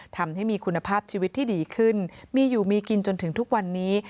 ทำให้มีคุณภาพชีวิตที่ดีขึ้นมีอยู่มีกินจนถึงทุกวันนี้